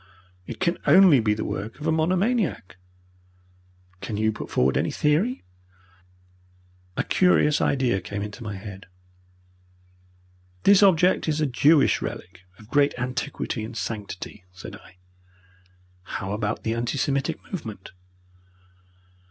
It can only be the work of a monomaniac." "Can you put forward any theory?" A curious idea came into my head. "This object is a Jewish relic of great antiquity and sanctity," said I. "How about the anti Semitic movement?